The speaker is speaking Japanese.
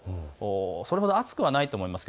それほど暑くはないと思います。